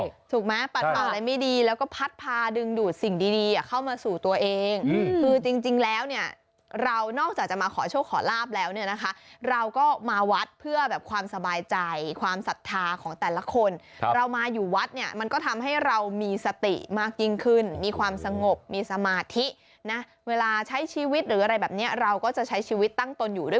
ถูกไหมปัดเป่าอะไรไม่ดีแล้วก็พัดพาดึงดูดสิ่งดีดีอ่ะเข้ามาสู่ตัวเองคือจริงแล้วเนี่ยเรานอกจากจะมาขอโชคขอลาบแล้วเนี่ยนะคะเราก็มาวัดเพื่อแบบความสบายใจความศรัทธาของแต่ละคนเรามาอยู่วัดเนี่ยมันก็ทำให้เรามีสติมากยิ่งขึ้นมีความสงบมีสมาธินะเวลาใช้ชีวิตหรืออะไรแบบนี้เราก็จะใช้ชีวิตตั้งตนอยู่ด้วย